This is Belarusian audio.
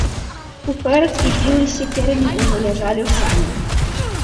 Куфэрак і пілы з сякерамі ўжо ляжалі ў санях.